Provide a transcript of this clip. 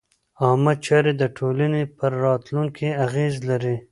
عامه چارې د ټولنې پر راتلونکي اغېز لري.